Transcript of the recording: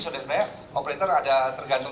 soalnya operator ada tergantung